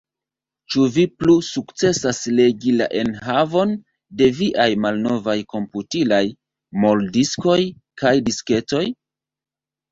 Ĉu vi plu sukcesas legi la enhavon de viaj malnovaj komputilaj moldiskoj kaj disketoj?